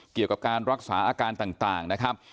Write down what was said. เกี่ยวกับการรักษาอาการต่างนะครับ